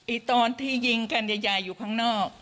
ตอนที่ยิงกันยายอยู่ข้างนอก